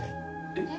えっ？